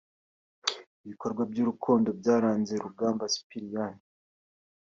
Ibikorwa by’urukundo byaranze Rugamba Cyprien